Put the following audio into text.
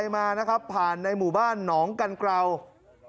ทำไมคงคืนเขาว่าทำไมคงคืนเขาว่า